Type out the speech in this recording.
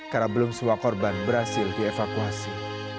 karena belum sebuah korban berhasil dievakuasi